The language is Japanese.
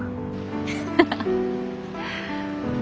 ハハハハ！